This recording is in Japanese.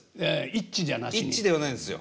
「イッチ」ではないんですよ。